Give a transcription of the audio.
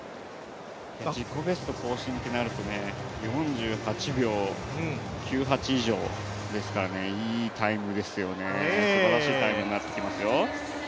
自己ベスト更新となると４８秒９８以上ですから、いいタイムですよ、すばらしいタイムになってきますよ。